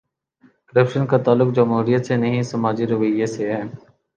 Corruption کا تعلق جمہوریت سے نہیں، سماجی رویے سے ہے۔